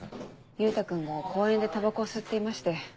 優太君が公園でタバコを吸っていまして。